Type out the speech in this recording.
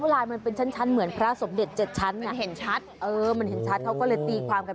เขาอาจจะเป็นราคาผักที่เขาขายตรงนั้นก็ได้ค่ะคุณ